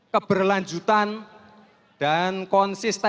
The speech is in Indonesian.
keberlanjutan dan konsisten